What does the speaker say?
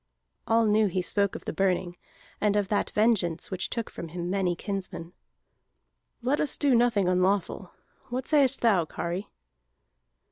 All knew he spoke of the Burning, and of that vengeance which took from him many kinsmen. "Let us do nothing unlawful. What sayest thou, Kari?"